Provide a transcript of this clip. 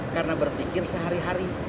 karena berpikir sehari hari